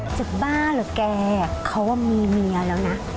จะบ้าเหรอแกเขามีเมียแล้วนะ